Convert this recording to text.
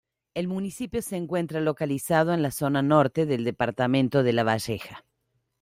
El municipio se encuentra localizado en la zona norte del departamento de Lavalleja.